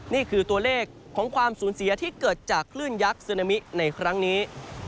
นี่คือตัวเลขของความสูญเสียที่เกิดจากคลื่นยักษ์ซึนามิในครั้งนี้